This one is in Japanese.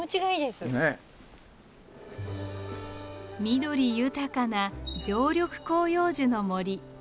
緑豊かな常緑広葉樹の森。